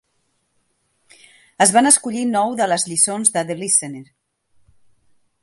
Es van escollir nou de les lliçons de The Listener.